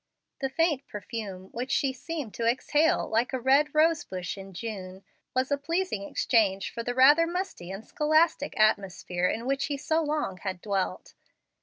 The faint perfume which she seemed to exhale like a red rosebush in June was a pleasing exchange for the rather musty and scholastic atmosphere in which he so long had dwelt.